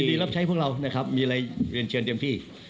ดีรับใช้พวกเรานะครับมีอะไรเรียนเชิญเต็มที่